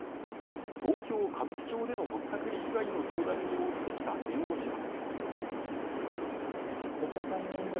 東京歌舞伎町でのぼったくり被害の相談に応じてきた弁護士は。